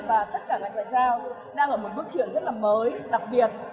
và tất cả ngành ngoại giao đang ở một bước chuyển rất là mới đặc biệt